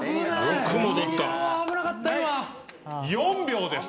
４秒です。